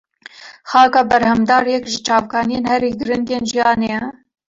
Xaka berhemdar yek ji çavkaniyên herî girîng ên jiyanê ye.